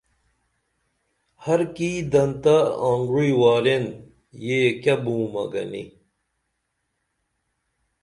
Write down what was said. ہرکی دنتہ آنگوعی وارین یہ کہ بُمہ گنی